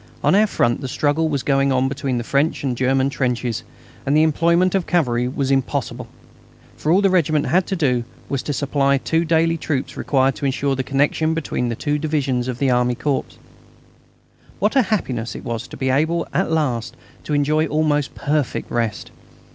On our front the struggle was going on between the French and German trenches, and the employment of cavalry was impossible. All the regiment had to do was to supply daily two troops required to ensure the connection between the two divisions of the army corps. What a happiness it was to be able at last to enjoy almost perfect rest!